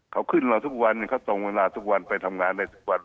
เขาขึ้นเราทุกวันเขาตรงเวลาทุกวันไปทำงานได้ทุกวัน